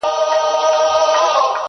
د وخت له کانه به را باسمه غمی د الماس ,